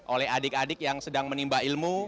oleh adik adik yang sedang menimba ilmu